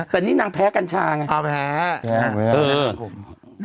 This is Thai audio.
แต่นี่นางแพ้กันช่างอย่างเงี่ย